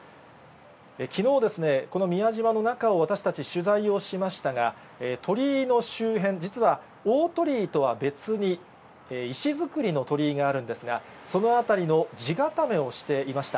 きのうですね、この宮島の中を私たち、取材をしましたが、鳥居の周辺、実は大鳥居とは別に、石造りの鳥居があるんですが、その辺りのじがためをしていました。